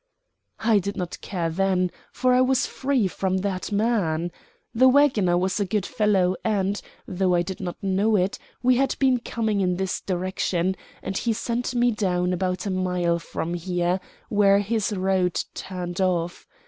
"I did not care then, for I was free from that man. The wagoner was a good fellow and, though I did not know it, we had been coming in this direction, and he set me down about a mile from here, where his road turned off.